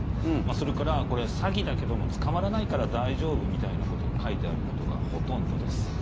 それからこれ、詐欺だけども捕まらないから大丈夫みたいなことを書いてあることがほとんどです。